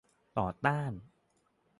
ต่อต้าน